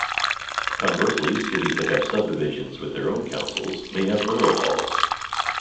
Conversely, cities that have subdivisions with their own councils may have borough halls.